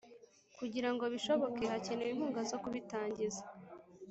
kugirango bishoboke, hakenewe inkunga zo kubitangiza,